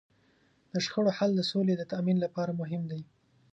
د شخړو حل د سولې د تامین لپاره مهم دی.